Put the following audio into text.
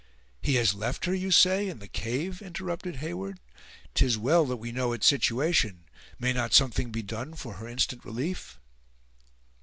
"He has left her, you say, in the cave!" interrupted Heyward; "'tis well that we know its situation! May not something be done for her instant relief?"